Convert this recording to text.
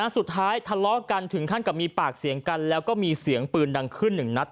สุดท้ายทะเลาะกันถึงขั้นกับมีปากเสียงกันแล้วก็มีเสียงปืนดังขึ้นหนึ่งนัด